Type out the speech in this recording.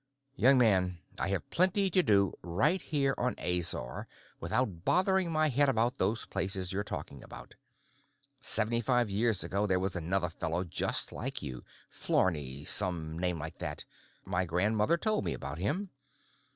Young man, I have plenty to do right here on Azor without bothering my head about those places you're talking about. Seventy five years ago there was another fellow just like you; Flarney, some name like that; my grandmother told me about him.